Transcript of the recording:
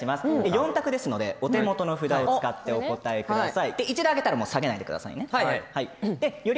４択なのでお手元の札を使ってお答えください。